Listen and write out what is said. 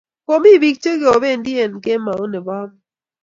komi bik che kobendi eng kemeut nebo amut